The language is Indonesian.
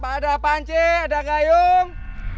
ada panci ada gayung